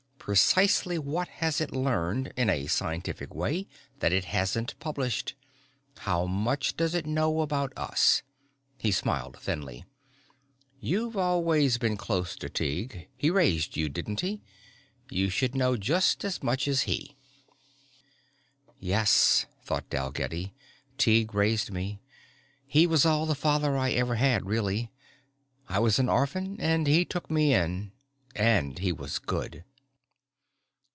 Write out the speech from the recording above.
Precisely what has it learned, in a scientific way, that it hasn't published? How much does it know about us?" He smiled thinly. "You've always been close to Tighe. He raised you, didn't he? You should know just as much as he." Yes, thought Dalgetty, _Tighe raised me. He was all the father I ever had, really. I was an orphan and he took me in and he was good.